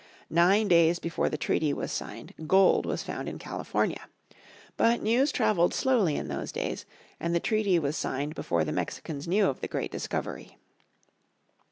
Nine days before the treaty was signed gold was found in California. But news traveled slowly in those days, and the treaty was signed before the Mexicans knew of the great discovery.